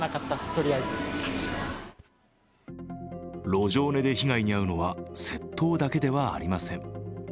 路上寝で被害に遭うのは窃盗だけではありません。